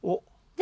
で？